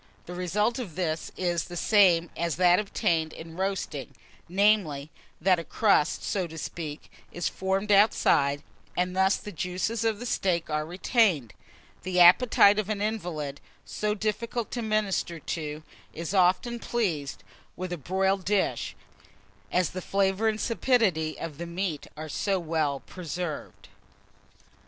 The result of this is the same as that obtained in roasting; namely, that a crust, so to speak, is formed outside, and thus the juices of the meat are retained. The appetite of an invalid, so difficult to minister to, is often pleased with a broiled dish, as the flavour and sapidity of the meat are so well preserved.